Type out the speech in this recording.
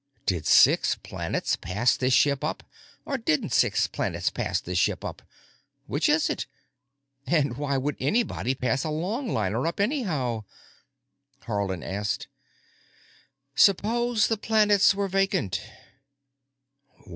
Did six planets pass this ship up or didn't six planets pass this ship up? Which is it? And why would anybody pass a longliner up anyhow?" Haarland asked, "Suppose the planets were vacant?"